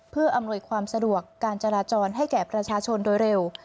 เพื่ออำนวยความสะดวกการจราจรให้แก่ประชาชนโดยเร็ว